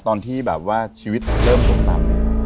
ตอนที่แบบว่าชีวิตเริ่มตกต่ำ